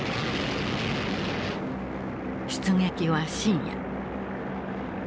出撃は深夜。